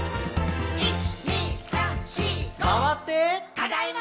「ただいま！」